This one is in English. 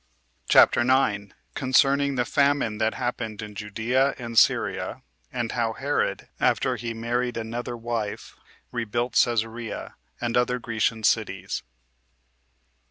CHAPTER 9. Concerning The Famine That Happened In Judea And Syria; And How Herod, After He Had Married Another Wife, Rebuilt Cæsarea, And Other Grecian Cities.